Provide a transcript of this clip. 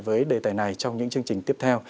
với đề tài này trong những chương trình tiếp theo